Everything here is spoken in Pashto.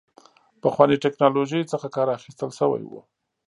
پخوانۍ ټکنالوژۍ څخه کار اخیستل شوی و.